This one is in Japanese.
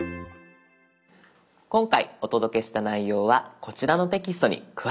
今回お届けした内容はこちらのテキストに詳しく載っています。